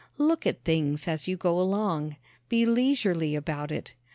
Look at things as you go along. Be leisurely about it.